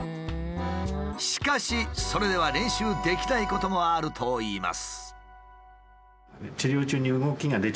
しかしそれでは練習できないこともあるといいます。